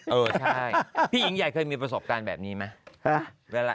เออใช่พี่หญิงใหญ่เคยมีประสบการณ์แบบนี้ไหม